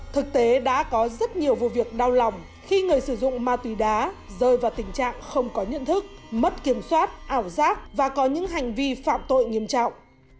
thực tế đã có rất nhiều vụ việc đau lòng khi người sử dụng ma túy đá rơi vào tình trạng không có nhận thức mất kiểm soát ảo giác và có những hành vi phạm tội nghiêm trọng